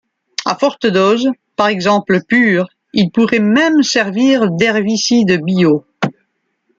À forte dose, par exemple pur, il pourrait même servir d'herbicide bio.